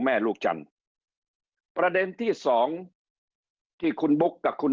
แม่ลูกจันทร์ประเด็นที่สองที่คุณบุ๊คกับคุณ